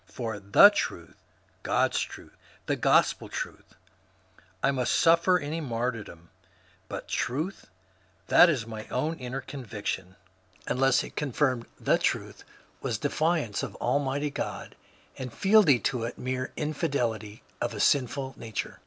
For " the truth "— God's truth, the Gospel's truth — I must suffer any martyrdom, but " truth "— that is, my own inner conviction — unless it con firmed ^' the truth " was defiance of Almighty God, and fidel ity to it mere infidelity of a sinful nature.